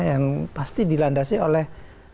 yang pasti dilandasi oleh